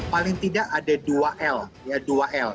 paling tidak ada dua l